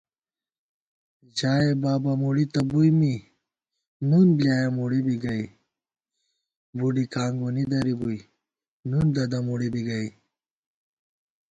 ژائےبابہ مُڑی تہ بُوئی می، نُن بۡلیایَہ مُڑی بی گئ * بُڈی کانگُونی درِی بُوئی نُن ددَہ مُڑی بی گئ